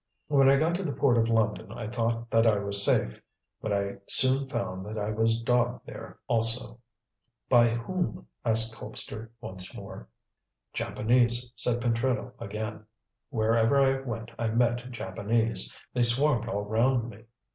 When I got to the Port of London I thought that I was safe; but I soon found that I was dogged there also." "By whom?" asked Colpster once more. "Japanese," said Pentreddle again. "Wherever I went I met Japanese. They swarmed all round me.